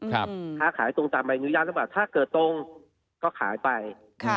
ค้าขายตรงตามใบอนุญาตหรือเปล่าถ้าเกิดตรงก็ขายไป